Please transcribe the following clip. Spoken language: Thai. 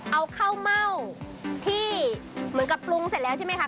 เอาข้าวเม่าที่เหมือนกับปรุงเสร็จแล้วใช่ไหมคะ